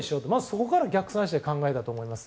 そこから逆算して考えたと思います。